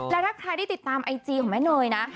แล้วถ้าใครได้ติดตามไอจีของแม่เนยนะ